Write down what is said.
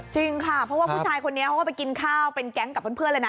จริงค่ะเพราะว่าผู้ชายคนนี้เขาก็ไปกินข้าวเป็นแก๊งกับเพื่อนเลยนะ